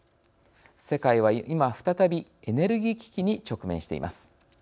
世界は、今再びエネルギー危機に直面しています。